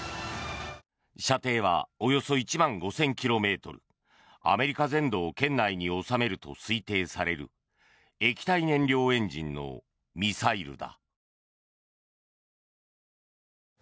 射程はおよそ１万５０００ｋｍアメリカ全土を圏内に収めると推定される液体燃料エンジンのミサイルだ。